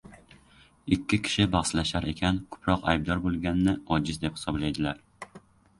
Ikki kishi bahslashar ekan, ko‘proq aybdor bo‘lganni ojiz deb hisoblaydilar.